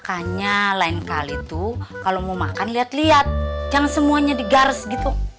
makanya lain kali tuh kalau mau makan lihat lihat jangan semuanya digaris gitu